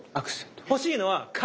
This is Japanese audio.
欲しいのは「か」。